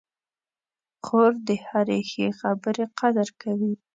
خور د هرې ښې خبرې قدر کوي.